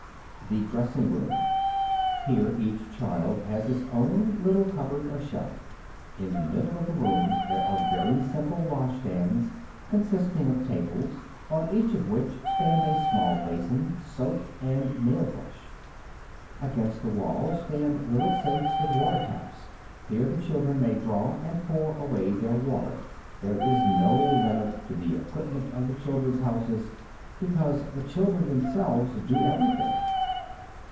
The Dressing room. Here each child has his own little cupboard or shelf. In the middle of the room there are very simple washstands, consisting of tables, on each of which stand a small basin, soap and nail brush. Against the wall stand little sinks with water taps. Here the children may draw and pour away their water. There is no limit to the equipment of the "Children's Houses" because the children themselves do everything.